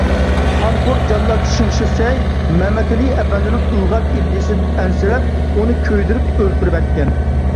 قانخور جاللات شېڭ شىسەي مەمتىلى ئەپەندىنىڭ ئىلغار ئىدىيىسىدىن ئەنسىرەپ، ئۇنى كۆيدۈرۈپ ئۆلتۈرۈۋەتكەن.